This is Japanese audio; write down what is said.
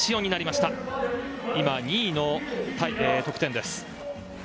今、２位の得点です。